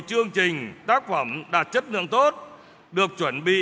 chương trình tác phẩm đạt chất lượng tốt được chuẩn bị